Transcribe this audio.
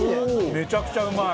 めちゃくちゃうまい！